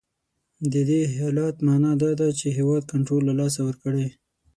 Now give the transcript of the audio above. د دې حالت معنا دا ده چې هیواد کنټرول له لاسه ورکړی.